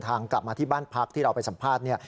กลับมาที่บ้านพักที่เราไปสัมภาษณ์